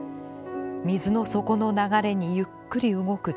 水の底の流れにゆっくり動く父親。